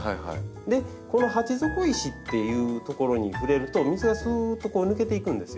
この鉢底石っていう所に触れると水がすっと抜けていくんですよ。